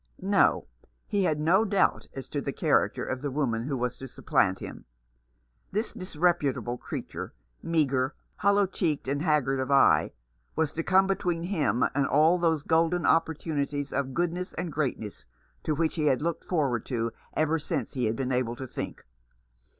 No, he had no doubt as to the character of the woman who was to supplant him. This disreput able creature, meagre, hollow cheeked, and haggard of eye, was to come between him and all those golden opportunities of goodness and greatness to which he had looked forward ever since he had been able to think.